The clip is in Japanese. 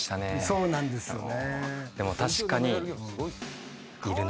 そうなんですよね。